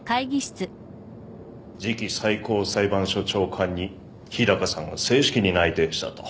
次期最高裁判所長官に日高さんを正式に内定したと。